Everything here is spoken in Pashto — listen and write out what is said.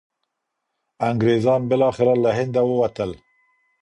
انګریزان بالاخره له هنده ووتل.